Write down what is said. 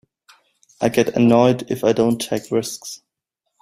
I get annoyed if I don't take risks.